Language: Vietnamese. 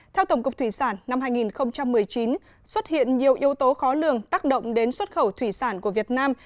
theo tổng cục thủy sản năm hai nghìn một mươi chín xuất hiện nhiều yếu tố khó lường tác động đến xuất khẩu thủy sản của việt nam